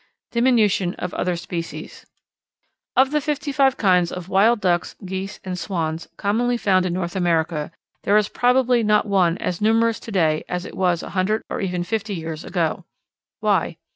Diminution of Other Species. Of the fifty five kinds of Wild Ducks, Geese, and Swans commonly found in North America, there is probably not one as numerous to day as it was a hundred or even fifty years ago. Why?